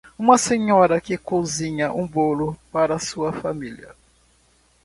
Uma senhora que cozinha um bolo para sua família.